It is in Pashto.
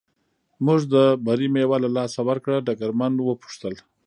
موږ د بري مېوه له لاسه ورکړه، ډګرمن و پوښتل.